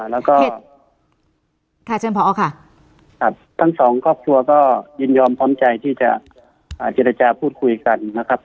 แล้วก็ทั้งสองครอบครัวก็ยืนยอมพร้อมใจที่จะเจรจาพูดคุยกันนะครับ